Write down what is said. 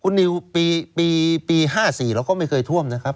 คุณนิวปี๕๔เราก็ไม่เคยท่วมนะครับ